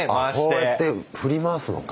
こうやって振り回すのか。